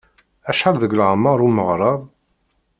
Acḥal deg leεmer umeɣrad?